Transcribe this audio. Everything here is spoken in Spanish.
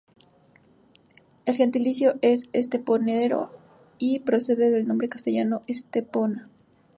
El gentilicio es "esteponero-a" y procede del nombre castellano, Estepona.